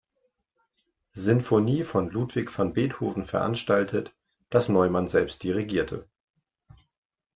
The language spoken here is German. Sinfonie von Ludwig van Beethoven veranstaltet, das Neumann selbst dirigierte.